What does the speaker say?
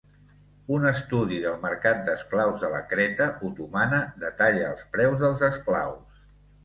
Un estudi del mercat d'esclaus de la Creta otomana detalla els preus dels esclaus.